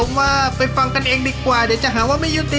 แม่คารมด้วยเป็นตอ